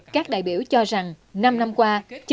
các đại biểu cho rằng năm năm qua